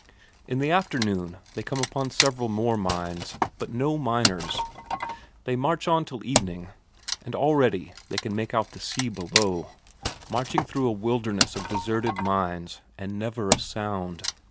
In the afternoon they come upon several more mines, but no miners; they march on till evening, and already they can make out the sea below; marching through a wilderness of deserted mines, and never a sound.